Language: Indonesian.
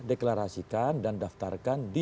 deklarasikan dan daftarkan di